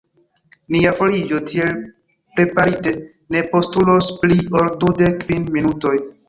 Nia foriĝo, tiel preparite, ne postulos pli ol dudek kvin minutoj.